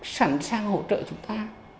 sẵn sàng hỗ trợ chúng ta